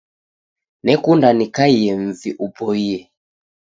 Nekunda nikaie mvi upoie